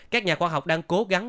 các nhà khoa học đang cố gắng